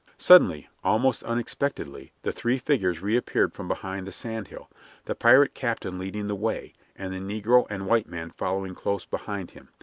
Suddenly, almost unexpectedly, the three figures reappeared from behind the sand hill, the pirate captain leading the way, and the negro and white man following close behind him.